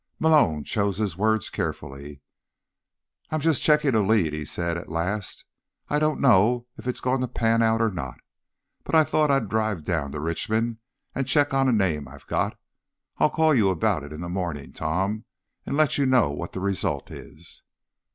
Malone chose his words carefully. "I'm just checking a lead," he said at last. "I don't know if it's going to pan out or not, but I thought I'd drive down to Richmond and check on a name I've got. I'll call you about it in the morning, Tom, and let you know what the result is."